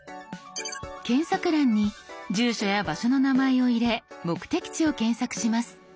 検索欄に住所や場所の名前を入れ目的地を検索します。